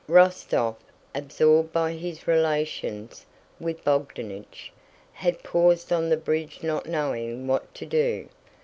Rostóv, absorbed by his relations with Bogdánich, had paused on the bridge not knowing what to do.